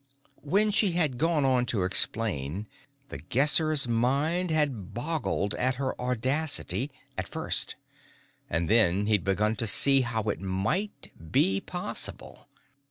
When she had gone on to explain, The Guesser's mind had boggled at her audacity at first. And then he'd begun to see how it might be possible.